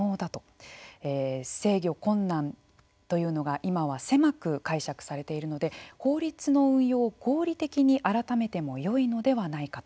「制御困難」というのが今は狭く解釈されているので法律の運用を合理的に改めてもよいのではないかということでした。